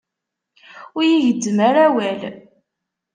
Ur yi-gezzem ara awal.